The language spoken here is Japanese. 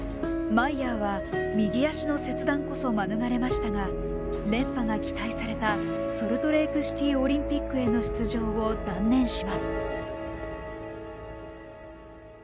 マイヤーは右脚の切断こそ免れましたが連覇が期待されたソルトレークシティー・オリンピックへの出場を断念します。